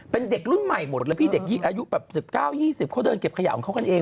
เป็นเด็กรุ่นใหม่หมดแล้วพี่เด็กอายุแบบ๑๙๒๐เขาเดินเก็บขยะของเขากันเอง